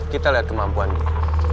kita lihat kemampuannya